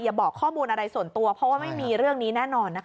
บอกข้อมูลอะไรส่วนตัวเพราะว่าไม่มีเรื่องนี้แน่นอนนะคะ